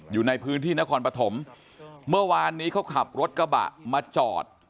อยู่ในพื้นที่นครปฐมเมื่อวานนี้เขาขับรถกระบะมาจอด